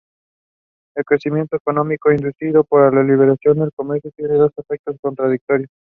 El crecimiento económico inducido por la liberalización del comercio tiene dos efectos contradictorios.